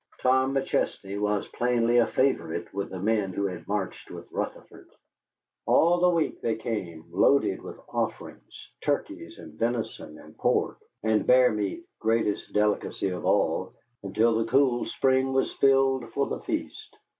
Tom McChesney was plainly a favorite with the men who had marched with Rutherford. All the week they came, loaded with offerings, turkeys and venison and pork and bear meat greatest delicacy of all until the cool spring was filled for the feast.